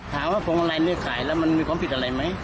ถามว่าภูมิมาลัยเนื้อขายแล้วมันมีความผิดอะไรไหม